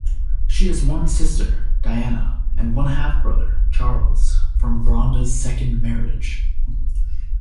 She has one sister, Diana; and one half-brother, Charles, from Bronda's second marriage.